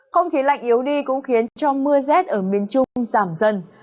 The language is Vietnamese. không khí lạnh yếu đi cũng khiến cho mưa rét ở miền trung giảm dần